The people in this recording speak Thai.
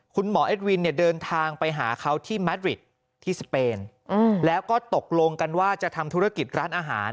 เอ็ดวินเนี่ยเดินทางไปหาเขาที่แมทริดที่สเปนแล้วก็ตกลงกันว่าจะทำธุรกิจร้านอาหาร